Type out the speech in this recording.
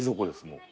もう。